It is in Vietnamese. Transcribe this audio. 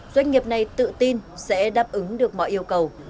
doanh nghiệp này tự tin sẽ đáp ứng được mọi yêu cầu